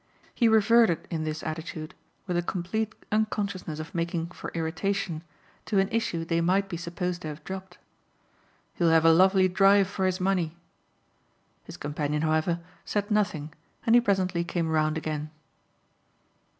He reverted in this attitude, with a complete unconsciousness of making for irritation, to an issue they might be supposed to have dropped. "He'll have a lovely drive for his money!" His companion, however, said nothing and he presently came round again.